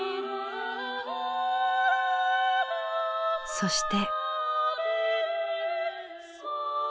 そして。